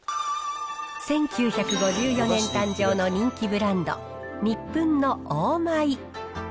１９５４年誕生の人気ブランド、ニップンのオーマイ。